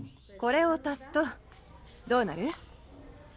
これを足すとどうなる？